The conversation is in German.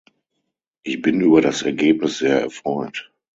Ich bin über das Ergebnis sehr erfreut.